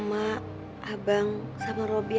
siapa itu hantu performance ini ya